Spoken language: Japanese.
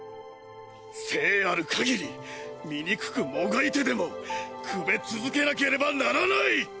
生ある限り醜くもがいてでも焼べ続けなければならない！